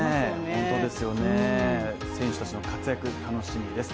本当ですよね、選手たちの活躍楽しみです。